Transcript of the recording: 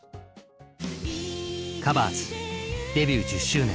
「ＴｈｅＣｏｖｅｒｓ」デビュー１０周年